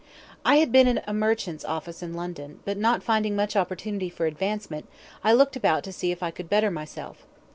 I had been in a merchant's office in London, but not finding much opportunity for advancement, I looked about to see if I could better myself.